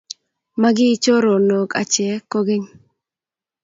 Magiichoronok ache kogeny